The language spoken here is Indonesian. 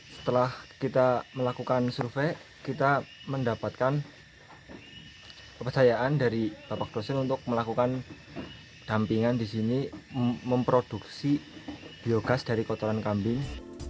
setelah kita melakukan survei kita mendapatkan kepercayaan dari bapak dosen untuk melakukan dampingan di sini memproduksi biogas dari kotoran kambing